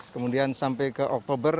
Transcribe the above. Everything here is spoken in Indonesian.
kemudian sampai ke oktober